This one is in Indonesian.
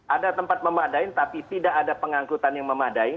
ada tempat memadain tapi tidak ada pengangkutan yang memadai